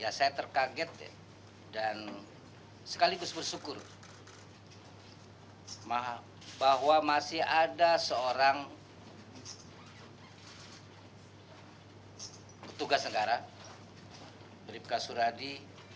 ya saya terkaget dan sekaligus bersyukur bahwa masih ada seorang petugas negara bribka suradi